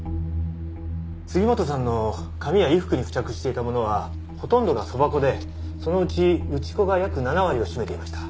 杉本さんの髪や衣服に付着していたものはほとんどがそば粉でそのうち打ち粉が約７割を占めていました。